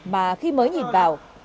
mà khi mới nhìn vào